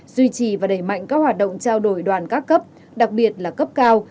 duy trì và đẩy mạnh các hoạt động trao đổi đoàn các cấp đặc biệt là cấp cao